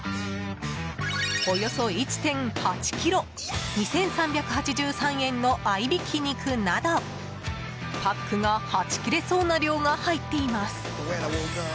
およそ１．８ｋｇ２３８３円の合いびき肉などパックがはち切れそうな量が入っています。